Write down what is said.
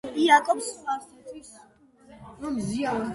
იაკობს სპარსეთის სამეფო კარზე მაღალი თანამდებობა ეკავა.